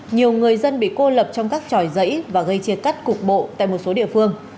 nhiều người dân bị cô lập trong các tròi giấy và gây chia cắt cục bộ tại một số địa phương